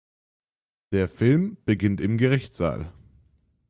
Der Film beginnt im Gerichtssaal.